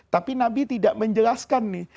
tapi nabi tidak menjelaskan nih